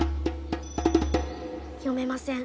読めません。